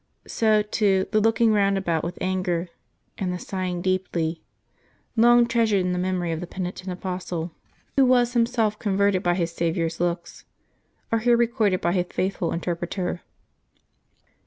So, too, the '' looking round about with anger/' and the *^ sighing deeply," long treas ured in the memory of the penitent apostle, who was him 158 LIYE8 OF TEE SAINTS [April 26 self converted by his Saviour's look, are here recorded by hrs faithful interpreter.